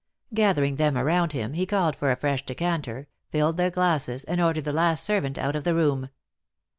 Gathering them around him, he called for afresh de canter, filled their glasses, and ordered the last servant out of the room.